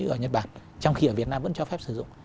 ở nhật bản trong khi ở việt nam vẫn cho phép sử dụng